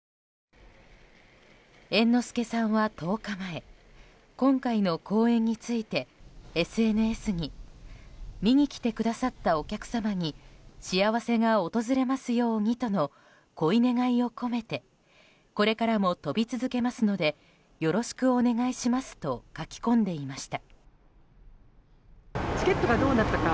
猿之助さんは１０日前今回の公演についてＳＮＳに観に来てくださったお客様に幸せが訪れますようにとの希いをこめてこれからも翔び続けますのでよろしくお願いしますと書き込んでいました。